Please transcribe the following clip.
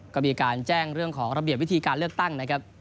ก็มีการแจ้งเรื่องของระเบียบวิธีการเลือกตั้งนะครับ